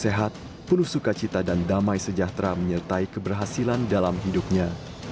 saya doakan mas agus sehat penuh sukacita dan damai sejahtera menyertai keberhasilan dalam hidupnya